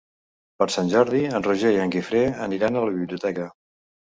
Per Sant Jordi en Roger i en Guifré aniran a la biblioteca.